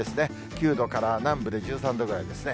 ９度から南部で１３度ぐらいですね。